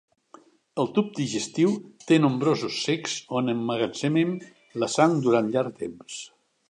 El tub digestiu té nombrosos cecs on emmagatzemen la sang durant llarg temps.